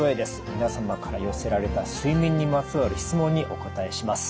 皆様から寄せられた睡眠にまつわる質問にお答えします。